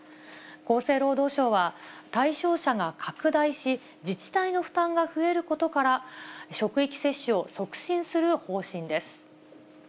厚生労働省は、対象者が拡大し、自治体の負担が増えることから、職域接種を促進する方針です。